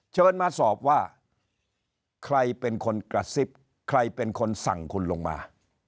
เชิญมาสอบว่าใครเป็นคนกระซิบใครเป็นคนสั่งคุณลงมา